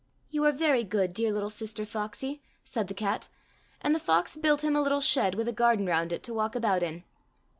—'' You are very good, dear little sister foxey !" said the cat, and the fox built him a little shed with a garden round it to walk about in.